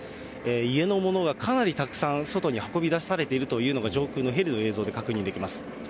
家のものがかなりたくさん外に運び出されているというのが、上空のヘリの映像で確認できます。